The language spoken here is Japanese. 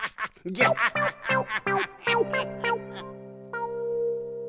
ギャハハハハ！